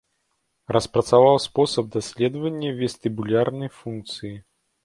Распрацаваў спосаб даследавання вестыбулярнай функцыі.